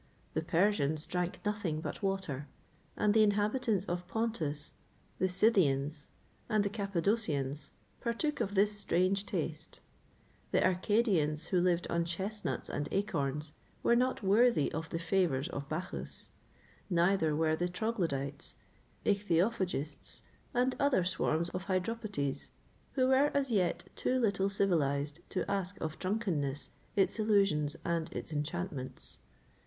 The Persians drank nothing but water;[XXVIII 17] and the inhabitants of Pontus, the Scythians, and the Cappadocians, partook of this strange taste.[XXVIII 18] The Arcadians, who lived on chesnuts and acorns, were not worthy of the favours of Bacchus; neither were the troglodytes, the ichthyophagists, and other swarms of hydropotes who were as yet too little civilized to ask of drunkenness its illusions and its enchantments.